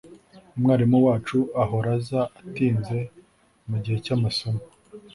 Umwarimu wacu ahora aza atinze mugihe cyamasomo.